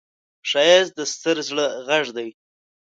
ښایست د ستر زړه غږ دی